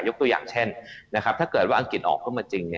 ตัวอย่างเช่นถ้าเกิดว่าอังกฤษออกเข้ามาจริง